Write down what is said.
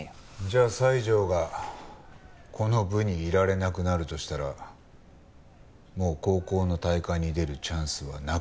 じゃあ西条がこの部にいられなくなるとしたらもう高校の大会に出るチャンスはなくなるって事だよな。